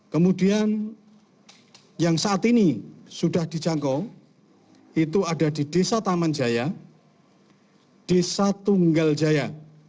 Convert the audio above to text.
kemudian yang saat ini sudah dijangkau itu ada di desa taman jaya desa tunggal jaya